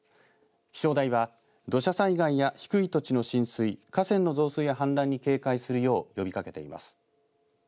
気象台は土砂災害や低い土地の浸水河川の増水や氾濫に警戒するよう呼びかけています。